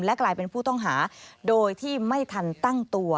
กลายเป็นผู้ต้องหาโดยที่ไม่ทันตั้งตัว